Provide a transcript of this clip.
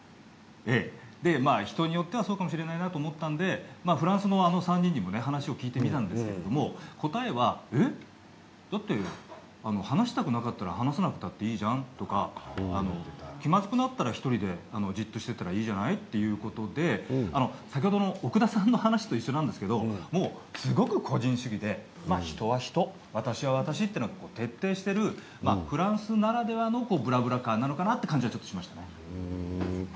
人によっては、そうかもしれないなと思ったのでフランスのあの３人にも聞いたんですけど答えはだって話したくなかったら話さなくたっていいじゃないとか気まずくなったら１人でじっとしていたらいいじゃないということで先ほども奥田さんの話と一緒なんですけどすごく個人主義で人は人、私は私ということが徹底しているフランスならではのブラブラカーなのかなと思いました。